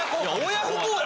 親不孝や！